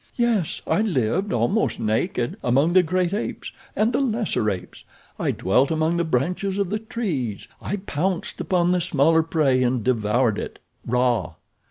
"Yes, I lived, almost naked, among the great apes and the lesser apes. I dwelt among the branches of the trees. I pounced upon the smaller prey and devoured it—raw.